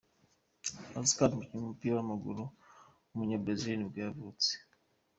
Oscar, umukinnyi w’umupira w’amaguru w’umunya-Brazil ni bwo yavutse.